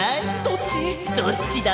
どっちだ？